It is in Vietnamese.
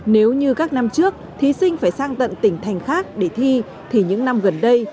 nếu như các năm trước thí sinh phải sang tận tỉnh thành khác để thi thì những năm gần đây